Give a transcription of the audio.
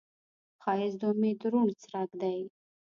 ښایست د امید روڼ څرک دی